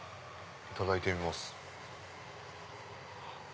いただいてみます。